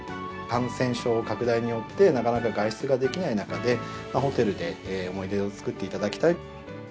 感染症拡大によって、なかなか外出ができない中で、ホテルで思い出を作っていただきたい。